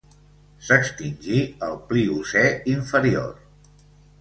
S'extingí al Pliocè inferior.